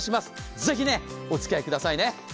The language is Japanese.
ぜひおつき合いくださいね。